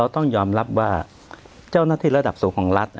ต้องยอมรับว่าเจ้าหน้าที่ระดับสูงของรัฐ